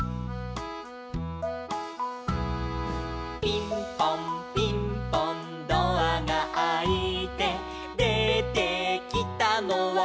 「ピンポンピンポンドアがあいて」「出てきたのは」